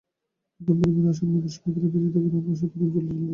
নতুন পরিবার আসায় মুমূর্ষূ পাখিটার বেঁচে থাকার আশার প্রদীপ প্রজ্জ্বলিত হলো।